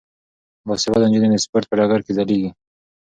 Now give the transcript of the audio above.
باسواده نجونې د سپورت په ډګر کې ځلیږي.